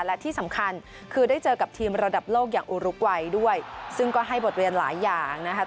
และที่สำคัญคือได้เจอกับทีมระดับโลกอย่างอุรุกวัยด้วยซึ่งก็ให้บทเรียนหลายอย่างนะครับ